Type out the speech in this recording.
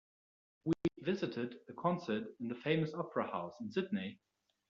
We visited a concert in the famous opera house in Sydney.